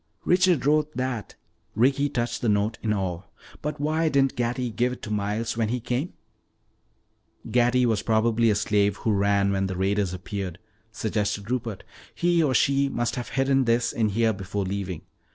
"Richard wrote that." Ricky touched the note in awe. "But why didn't Gatty give it to Miles when he came?" "Gatty was probably a slave who ran when the raiders appeared," suggested Rupert. "He or she must have hidden this in here before leaving.